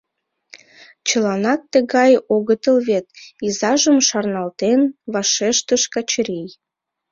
— Чыланак тыгай огытыл вет, — изажым шарналтен, вашештыш Качырий.